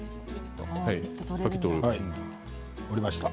取りました。